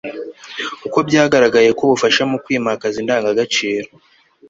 kuko byagaragaye ko ufasha mu kwimakaza indagagaciro